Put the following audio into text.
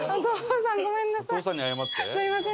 すみません。